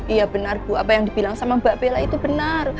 iya benar bu apa yang dibilang sama mbak bella itu benar